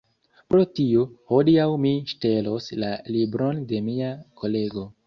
Pro tio, hodiaŭ mi ŝtelos la libron de mia kolego